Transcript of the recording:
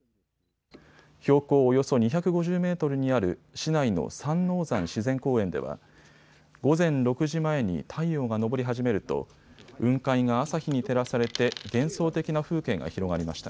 標高およそ２５０メートルにある市内の三王山自然公園では午前６時前に太陽が昇り始めると雲海が朝日に照らされて幻想的な風景が広がりました。